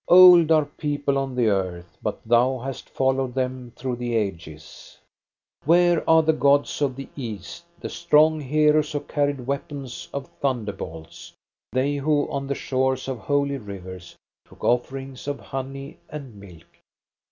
Old are people on the earth, but thou hast followed them through the ages. AMOR VINCJT OMNIA 397 Where are the gods of the East, the strong heroes who carried weapons of thunder bolts, — they who on the shores of holy rivers took offerings of honey and milk?